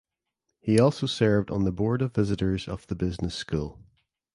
He also served on the board of visitors of the business school.